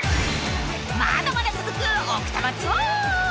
［まだまだ続く奥多摩ツアー］